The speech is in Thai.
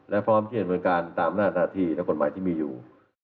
และพร้อมที่จะดำเนินการตามหน้าที่และกฎหมายที่มีอยู่